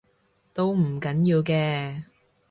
都唔緊要嘅